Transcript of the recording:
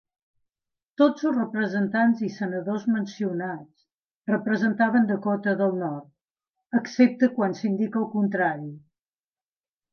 Tots els representants i senadors mencionats representaven Dakota del Nord, excepte quan s'indica el contrari.